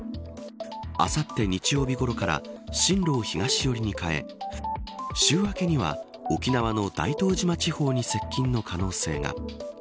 あさって日曜日ごろから進路を東寄りに変え週明けには沖縄の大東島地方に接近の可能性が。